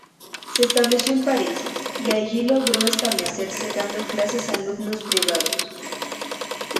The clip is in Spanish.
Se estableció en París y allí logró establecerse dando clases a alumnos privados.